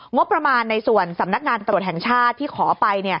งบประมาณในส่วนสำนักงานตรวจแห่งชาติที่ขอไป